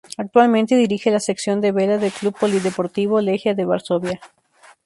Actualmente dirige la sección de vela del club polideportivo Legia de Varsovia.